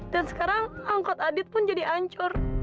dan sekarang angkot adit pun jadi hancur